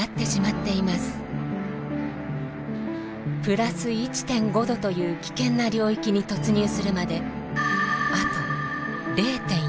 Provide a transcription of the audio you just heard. ＋１．５℃という危険な領域に突入するまであと０．４℃。